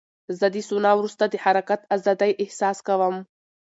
زه د سونا وروسته د حرکت ازادۍ احساس کوم.